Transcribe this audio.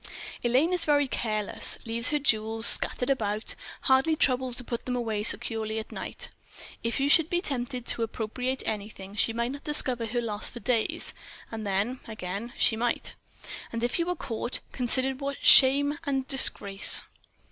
"Elaine is very careless, leaves her jewels scattered about, hardly troubles to put them away securely at night. If you should be tempted to appropriate anything, she might not discover her loss for days; and then, again, she might. And if you were caught—consider what shame and disgrace!"